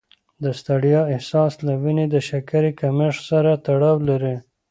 د ستړیا احساس له وینې د شکرې کمښت سره تړاو لري.